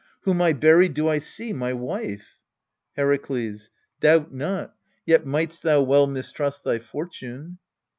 whom I buried do I see my wife? Herakles. Doubt not : yet might'st thou well mistrust thy fortune.